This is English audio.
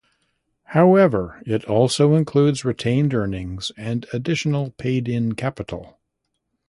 However, it also includes retained earnings and additional paid-in capital.